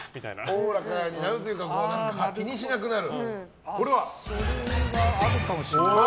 大らかになるというか気にしなくなる。